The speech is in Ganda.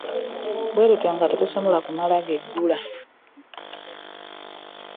Bwe lutyo nga terusobola kumala geggula.